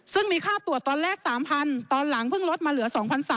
ซึ่งมีค่าตรวจตอนแรก๓๐๐ตอนหลังเพิ่งลดมาเหลือ๒๓๐๐